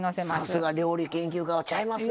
さすが料理研究家はちゃいますな。